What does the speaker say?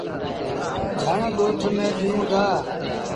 جھڻ ڳوٺ ميݩ ڏيوٚن دآ۔